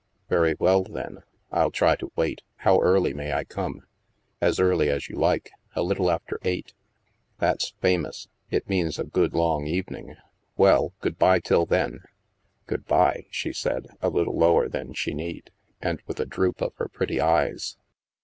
" Very well, then. I'll try to wait. How early may I come ?"" As early as you like. A little after eight." " That's famous. It means a good long evening. Well — good bye till then." " Good bye," she said, a little lower than she need, and with a droop of her pretty eyes.